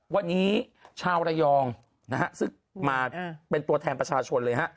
วันนี้ชาวระยองนะฮะซึ่งมาเป็นตัวแทนประชาชนเลยฮะ